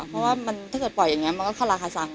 เพราะว่าถ้าเกิดปล่อยอย่างนี้มันก็คาราคาซัง